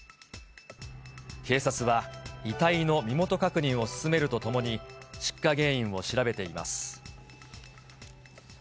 警察は、遺体の身元確認を進めるとともに、出火原因を調べています。